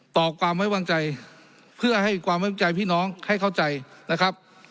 ต่อความไว้วางใจเพื่อให้ความไว้วางใจพี่น้องให้เข้าใจนะครับ